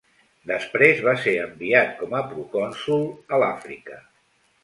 Després va ser enviat com a procònsol a l'Àfrica.